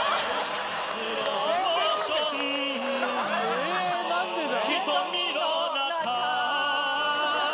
え何でだ！？